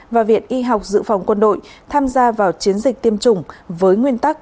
và viện y học dự phòng quân đội tham gia vào chiến dịch tiêm chủng với nguyên tắc